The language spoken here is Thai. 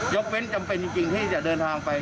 ยกเว้นจำเป็นจริงที่จะเดินทางไป